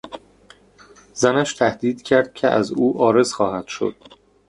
زنش تهدید کرد که از او عارض خواهد شد.